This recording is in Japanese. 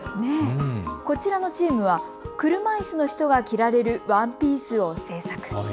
こちらのチームは車いすの人が着られるワンピースを制作。